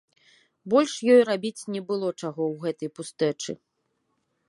Больш ёй рабіць не было чаго ў гэтай пустэчы.